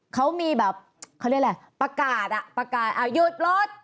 เขามีแบบเขาเรียกอะไรประกาศอ่ะประกาศเอาหยุดรถ